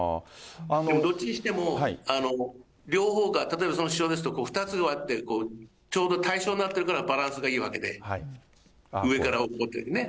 どっちにしても、両方が、例えばその支承ですと２つあってちょうど対照になってるからバランスがいいわけで、上から置いたときにね。